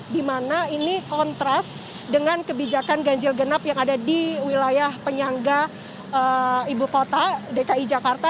di mana ini kontras dengan kebijakan ganjil genap yang ada di wilayah penyangga ibu kota dki jakarta